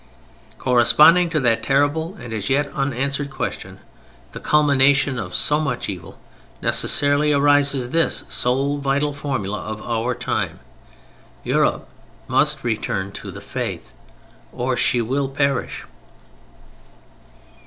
Corresponding to that terrible and as yet unanswered question—the culmination of so much evil—necessarily arises this the sole vital formula of our time: "_Europe must return to the Faith, or she will perish.